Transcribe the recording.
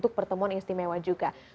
lady malino cnn indonesia